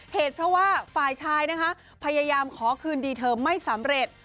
เหตุเพราะว่าฝ่ายชายนะคะพยายามขอคืนดีเธอไม่สำเร็จ